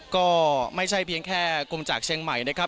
ก็ไม่ใช่เพียงแค่กรมจากเชียงใหม่นะครับ